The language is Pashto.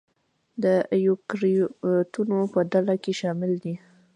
د ایوکریوتونو په ډله کې شامل دي.